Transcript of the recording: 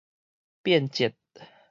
變節